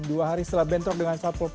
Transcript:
dua hari setelah bentrok dengan satpol pp